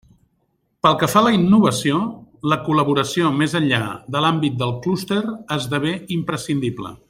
Pel que fa a la innovació, la col·laboració més enllà de l'àmbit del clúster esdevé imprescindible.